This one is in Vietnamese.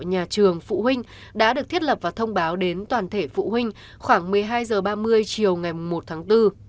nhà trường phụ huynh đã được thiết lập và thông báo đến toàn thể phụ huynh khoảng một mươi hai h ba mươi chiều ngày một tháng bốn